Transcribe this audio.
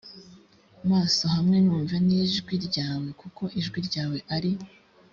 maso hawe numve n ijwi ryawe kuko ijwi ryawe ari